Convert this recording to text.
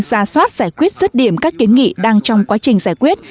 giả soát giải quyết rất điểm các kiến nghị đang trong quá trình giải quyết